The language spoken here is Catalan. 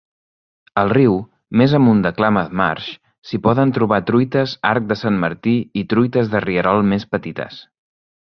Al riu, més amunt de Klamath Marsh, s'hi poden trobar truites arc de Sant Martí i truites de rierol més petites.